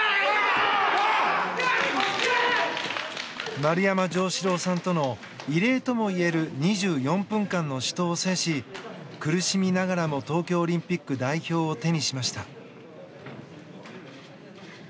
丸山城志郎さんとの異例ともいえる２４分間の死闘を制し苦しみながらも東京オリンピック代表を手にしました。